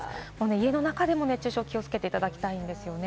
家の中でも熱中症、気をつけていただきたいですよね。